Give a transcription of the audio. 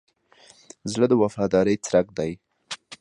زړه د وفادارۍ څرک دی.